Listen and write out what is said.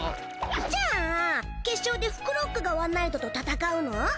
じゃ決勝でフクロックがワンナイトと戦うのぉ？